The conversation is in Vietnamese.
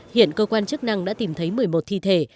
hiện cơ quan chức năng đã tìm thấy một mươi một thi thể